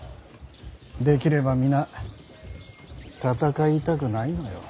できれば皆戦いたくないのよ。